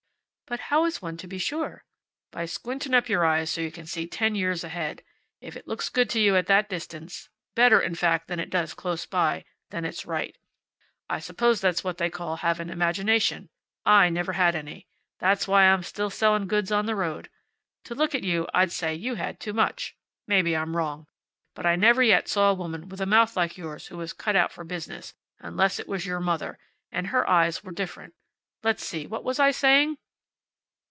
"But how is one to be sure?" "By squinting up your eyes so you can see ten years ahead. If it looks good to you at that distance better, in fact, than it does close by then it's right. I suppose that's what they call having imagination. I never had any. That's why I'm still selling goods on the road. To look at you I'd say you had too much. Maybe I'm wrong. But I never yet saw a woman with a mouth like yours who was cut out for business unless it was your mother And her eyes were different. Let's see, what was I saying?"